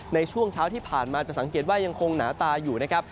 ในช่วงเช้าที่ผ่านมาจะสังเกตว่ายังคงหนาตาอยู่นะครับ